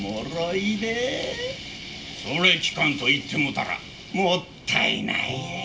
それ聞かんと行ってもうたらもったいないでえ」。